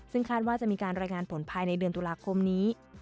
ซึ่งคาดว่าจะมีการรายงานผลภายในเดือนตุลาคมนี้